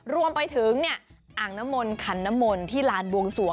รวมไปถึงอ่างนมลคันนมลที่ลานบวงสวง